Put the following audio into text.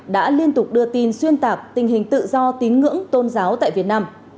đã liên tục đưa tin xuyên tạc tình hình tự do tín ngưỡng tôn giáo tại việt nam